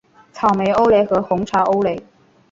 草莓欧蕾和红茶欧蕾